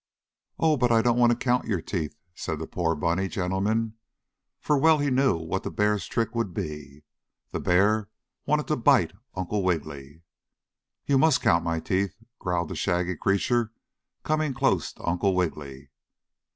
"Oh, but I don't want to count your teeth," said the poor bunny gentleman, for well he knew what the bear's trick would be. The bear wanted to bite Uncle Wiggily. "You must count my teeth!" growled the shaggy creature, coming close to Uncle Wiggily.